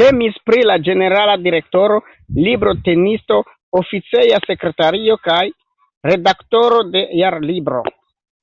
Temis pri la ĝenerala direktoro, librotenisto, oficeja sekretario kaj redaktoro de Jarlibro.